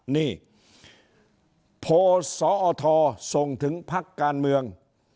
นี่โพลสอทส่งถึงพักการเมือง